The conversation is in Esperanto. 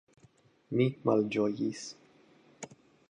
Mi malĝojis.